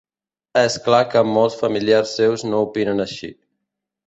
És clar que molts familiars seus no opinen així.